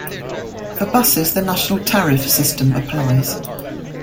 For buses the National tariff system applies.